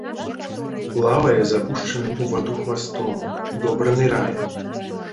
Плавае з апушчаным у ваду хвастом, добра нырае.